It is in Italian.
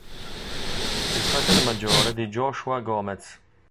È il fratello maggiore di Joshua Gomez.